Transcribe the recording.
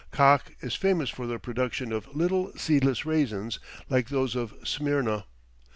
Kakh is famous for the production of little seedless raisins like those of Smyrna.